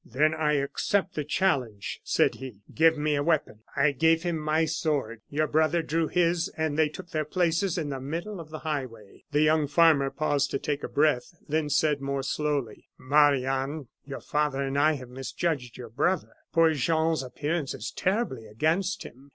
"'Then I accept the challenge,' said he; 'give me a weapon.' "I gave him my sword, your brother drew his, and they took their places in the middle of the highway." The young farmer paused to take breath, then said, more slowly: "Marie Anne, your father and I have misjudged your brother. Poor Jean's appearance is terribly against him.